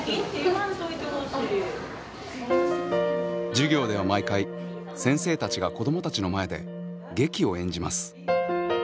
授業では毎回先生たちが子どもたちの前で劇を演じます。